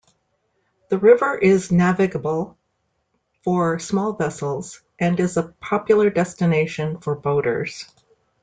The river is navigable for small vessels and is a popular destination for boaters.